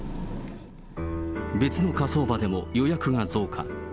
別の火葬場でも予約が増加。